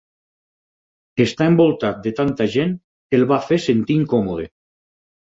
Estar envoltat de tanta gent el va fer sentir incòmode.